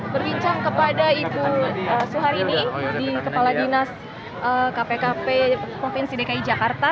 berbincang kepada ibu suharini di kepala dinas kpkp provinsi dki jakarta